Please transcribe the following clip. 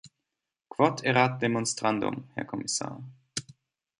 Quod erat demonstrandum, Herr Kommissar!